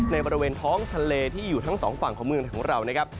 บริเวณท้องทะเลที่อยู่ทั้งสองฝั่งของเมืองของเรานะครับ